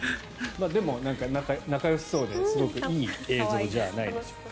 でも、仲よしそうですごくいい映像じゃないでしょうか。